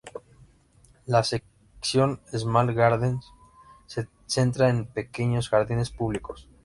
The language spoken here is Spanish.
La sección "Small Gardens" se centra en pequeños jardines públicos.